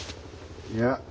いや。